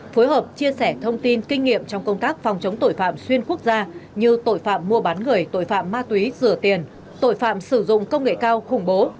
phối hợp chia sẻ thông tin kinh nghiệm trong công tác phòng chống tội phạm xuyên quốc gia như tội phạm mua bán người tội phạm ma túy rửa tiền tội phạm sử dụng công nghệ cao khủng bố